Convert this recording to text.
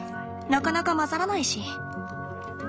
なかなか混ざらないし。